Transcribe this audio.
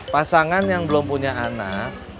pasangan yang belum punya anak